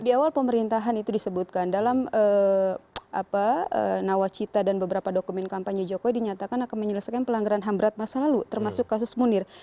di awal pemerintahan itu disebutkan dalam nawacita dan beberapa dokumen kampanye jokowi dinyatakan akan menyelesaikan pelanggaran ham berat masa lalu termasuk kasus munir